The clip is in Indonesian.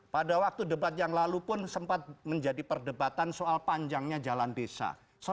pada waktu debat yang lalu pun sempat menjadi perdebatan soal panjangnya jalan desa